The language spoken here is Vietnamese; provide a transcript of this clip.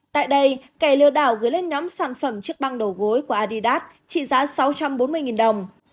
tại đây kẻ lừa đảo gửi lên nhóm sản phẩm chiếc băng đổ gối của adidas trị giá sáu trăm bốn mươi đồng